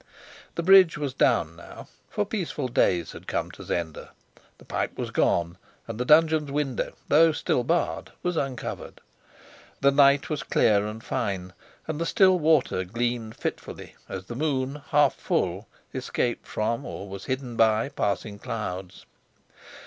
The bridge was down now, for peaceful days had come to Zenda; the pipe was gone, and the dungeon's window, though still barred, was uncovered. The night was clear and fine, and the still water gleamed fitfully as the moon, half full, escaped from or was hidden by passing clouds.